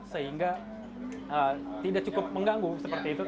sehingga tidak cukup mengganggu seperti itu